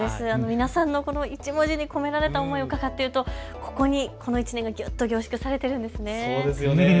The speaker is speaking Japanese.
皆さんのこの１文字に込められた思いを伺っているとここに１年がぎゅっと凝縮されているようですね。